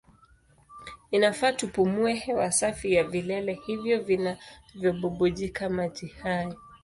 Inafaa tupumue hewa safi ya vilele hivyo vinavyobubujika maji hai.